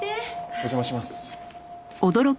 お邪魔します。